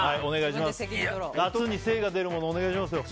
夏に精が出るものお願いしますよ。